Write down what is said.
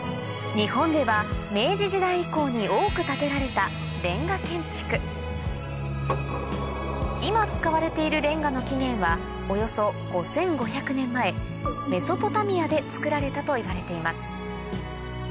日本では明治時代以降に多く建てられた今使われているれんがの起源はおよそメソポタミアで作られたといわれています